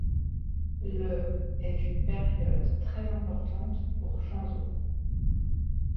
Le est une période très importante pour Chanzeaux.